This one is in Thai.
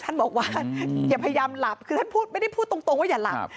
ท่านบอกว่าอย่าพยายามหลับคือท่านพูดไม่ได้พูดตรงว่าอย่าหลับ